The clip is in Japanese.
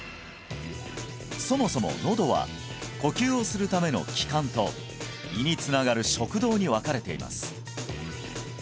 そもそものどは呼吸をするための気管と胃につながる食道に分かれています